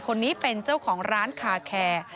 คนนี้เป็นเจ้าของร้านคาแคร์